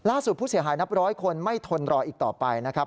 ผู้เสียหายนับร้อยคนไม่ทนรออีกต่อไปนะครับ